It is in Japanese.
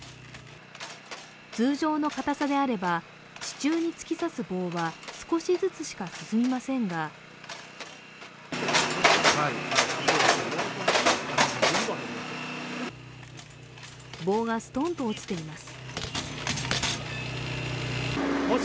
通常の硬さであれば、地中に突き刺す棒は少しずつしか進みませんが棒がストンと落ちています。